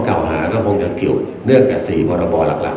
เพราะก่อหาก็คงจะเกี่ยวเรื่องกับสี่ประบอบหลักหลัก